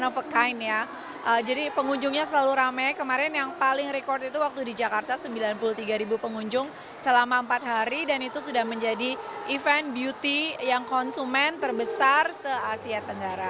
overcoin ya jadi pengunjungnya selalu ramai kemarin yang paling record itu waktu di jakarta sembilan puluh tiga pengunjung selama empat hari dan itu sudah menjadi event beauty yang konsumen terbesar se asia tenggara